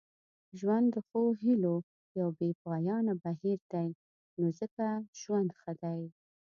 ژوند د ښو هیلو یو بې پایانه بهیر دی نو ځکه ژوند ښه دی.